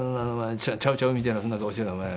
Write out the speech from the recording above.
チャウチャウみたいなそんな顔してるのはお前。